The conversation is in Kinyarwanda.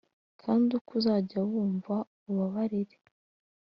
kandi uko uzajya wumva, ubabarire.